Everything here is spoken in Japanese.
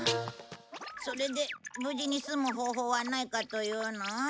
それで無事に済む方法はないかというの？